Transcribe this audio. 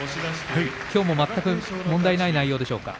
きょうも全く問題ない内容でしょうか。